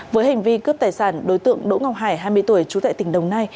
với hành vi cướp tài sản đối tượng đỗ ngọc hải hai mươi tuổi trú tại tỉnh đồng nai